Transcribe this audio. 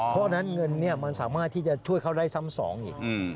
เพราะฉะนั้นเงินเนี่ยมันสามารถที่จะช่วยเขาได้ซ้ำสองอีก